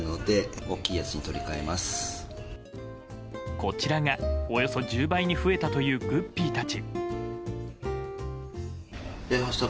こちらが、およそ１０倍に増えたというグッピーたち。